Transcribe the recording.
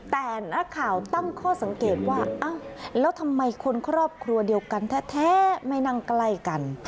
แต่นักข่าวตั้งข้อสังเกตว่าอ้าวแล้วทำไมคนครอบครัวเดียวกันแท้ไม่นั่งใกล้กัน